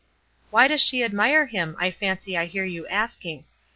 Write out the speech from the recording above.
'Why does she admire him?' I fancy I hear you asking.